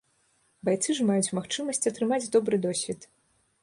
Байцы ж маюць магчымасць атрымаць добры досвед.